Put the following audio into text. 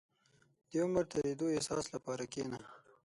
• د عمر د تېرېدو احساس لپاره کښېنه.